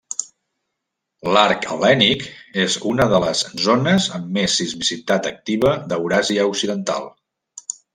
L'Arc Hel·lènic és una de les zones amb més sismicitat activa d'Euràsia occidental.